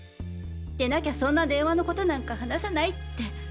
でなきゃそんな電話の事なんか話さないって。